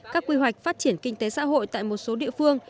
các quy hoạch phát triển kinh tế xã hội tại một số địa phương